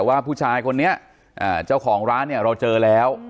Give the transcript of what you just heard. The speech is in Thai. ว่าผู้ชายคนนี้เจ้าของร้านเนี่ยเราเจอแล้ว